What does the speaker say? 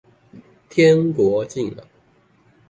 天國近了